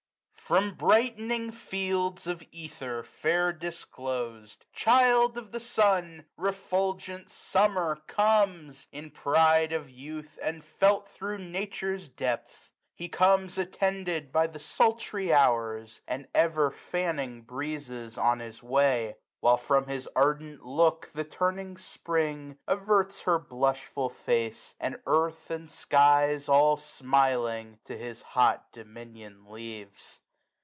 T ROM brightening fields of ether fair disclosM, Child of the surtj refulgent Summer comes^ In pride of youth, and felt thro' Nature's depth. He comes attended by the sultry hours^ H so SUMMER. And ever fanning breezes, on his way ; 5 While, from his ardent look, the turning Spring Averts her blushful face ; and earth, and skies, All smiling, to his hot dominion leaves.